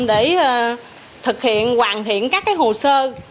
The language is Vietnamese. để thực hiện hoàn thiện các hồ sơ